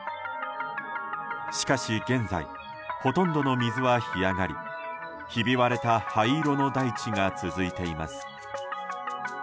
しかし、現在ほとんどの水は干上がりひび割れた灰色の大地が続いています。